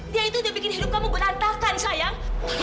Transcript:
dia itu udah bikin hidup kamu berantakan sayang